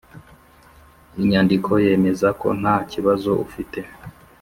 Inyandiko yemeza ko nta kibazo ufite